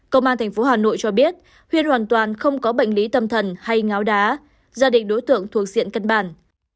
công an tp hà nội cho biết huyên hoàn toàn không có bệnh lý tâm thần hay ngáo đá gia đình đối tượng thuộc diện cân bản